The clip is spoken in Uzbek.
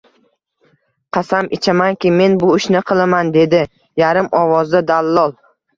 Qasam ichamanki, men bu ishni qilaman, dedi yarim ovozda dallol